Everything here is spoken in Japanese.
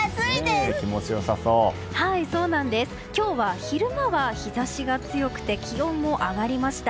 今日は昼間は日差しが強くて気温も上がりました。